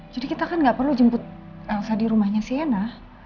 jadi kita kan gak perlu jemput elsa di rumahnya sienna